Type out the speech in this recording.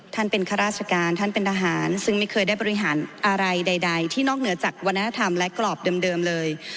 ท่านเป็นข้าราชการท่านเป็นทหารซึ่งไม่เคยได้บริหารอะไรใดที่นอกเหนือจากวัฒนธรรมและกรอบเดิมเลย